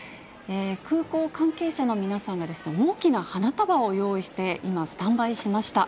空港関係者の皆さんが大きな花束を用意して、今、スタンバイしました。